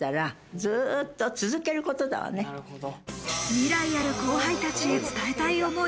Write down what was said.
未来ある後輩たちへ伝えたい想い。